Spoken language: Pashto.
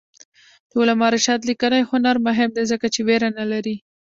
د علامه رشاد لیکنی هنر مهم دی ځکه چې ویره نه لري.